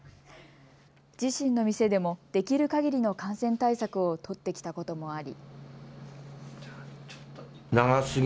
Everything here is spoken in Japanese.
自身の店でも、できるかぎりの感染対策を取ってきたこともあり。